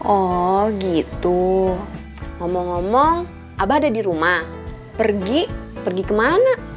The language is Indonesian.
oh gitu ngomong ngomong abah ada di rumah pergi pergi kemana